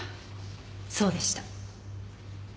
そうでした。